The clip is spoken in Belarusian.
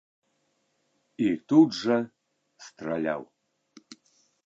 І тут жа страляў.